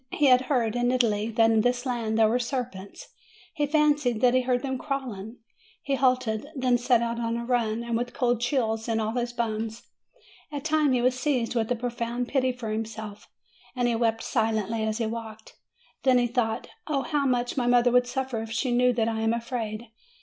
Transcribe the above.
He had heard, in Italy, that in this land there were serpents; he fancied that he heard them crawling; he halted, then set out on a run, and with cold chills in all his bones. At times he was seized with a profound pity for himself, and he wept silently as he walked. Then he thought, "Oh how much my mother would suffer if she knew that I am afraid!"